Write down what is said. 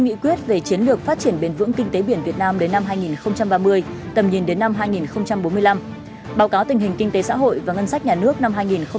nghị quyết về chiến lược phát triển bền vững kinh tế biển việt nam đến năm hai nghìn ba mươi tầm nhìn đến năm hai nghìn bốn mươi năm báo cáo tình hình kinh tế xã hội và ngân sách nhà nước năm hai nghìn bốn mươi